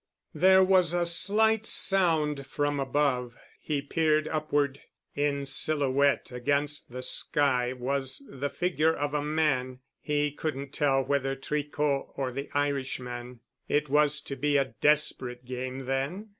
There was a slight sound from above. He peered upward. In silhouette against the sky was the figure of a man—he couldn't tell whether Tricot or the Irishman. It was to be a desperate game then.